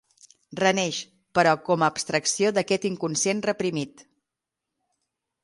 Reneix, però, com a abstracció d'aquest inconscient reprimit.